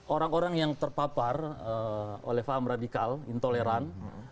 orang orang yang terpapar oleh paham radikal intoleran